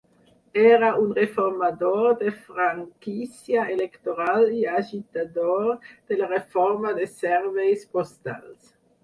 Era un reformador de franquícia electoral i agitador de la reforma de serveis postals.